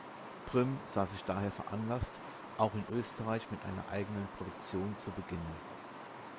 Prym sah sich daher veranlasst, auch in Österreich mit einer eigenen Produktion zu beginnen.